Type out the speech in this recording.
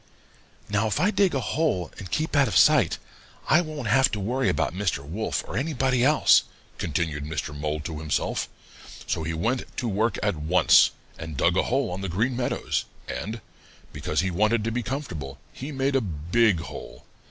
"'Now if I dig a hole and keep out of sight, I won't have to worry about Mr. Wolf or anybody else,' continued Mr. Mole to himself. So he went to work at once and dug a hole on the Green Meadows, and, because he wanted to be comfortable, he made a big hole.